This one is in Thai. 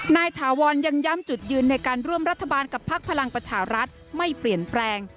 ถาวรยังย้ำจุดยืนในการร่วมรัฐบาลกับพักพลังประชารัฐไม่เปลี่ยนแปลง